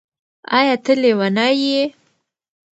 ایا ته لیونی یې؟